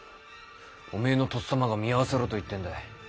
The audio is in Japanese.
おめえのとっさまが見合わせろと言ってんだい。